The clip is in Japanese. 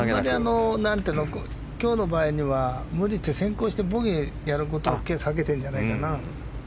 今日は、無理して先行してボギーすることを避けてるんじゃないかな。